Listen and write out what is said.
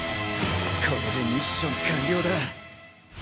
これでミッション完了だ。